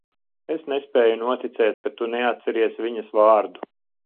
Es nespēju noticēt, ka tu neatceries viņas vārdu.